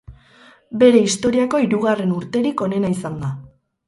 Bere historiako hirugarren urterik onena izan da.